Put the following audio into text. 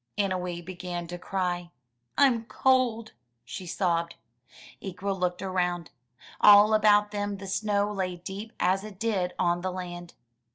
Annowee began to cry. "I'm cold!" she sobbed. Ikwa looked around. All about them the snow lay deep as it did on the land.